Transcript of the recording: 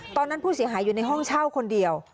ตอนนั้นผู้เสียหายอยู่ในห้องเช่าคนเดียว